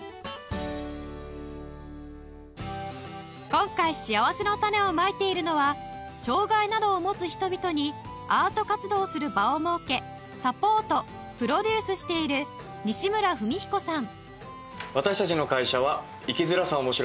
今回しあわせのたねをまいているのは障害などを持つ人々にアート活動する場を設けサポートプロデュースしている西村史彦さん